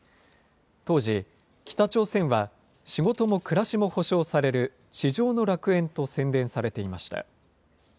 当時、北朝鮮は仕事も暮しも保証される地上の楽園と宣伝されていました。